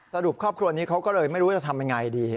สรุปครอบครัวนี้เขาก็เลยไม่รู้จะทำยังไงดี